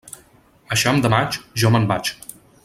Eixam de maig, jo me'n vaig.